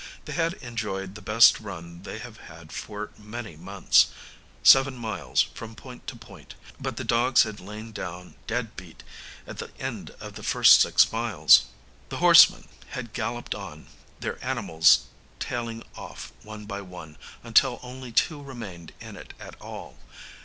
They had enjoyed the best run they have had for many months seven miles, from point to point but the dogs had lain down, dead beat, at the end of the first six miles. The horsemen had galloped on, their animals tailing off one by one, until only two remained in it at all.